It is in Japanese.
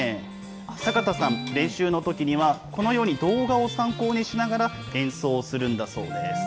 坂田さん、練習のときにはこのように動画を参考にしながら、演奏するんだそうです。